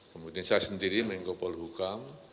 kemudian saya sendiri men gopal hukam